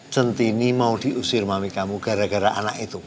centini mau diusir mami kamu gara gara anak itu